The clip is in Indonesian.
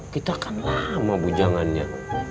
kita kan lama bujangannya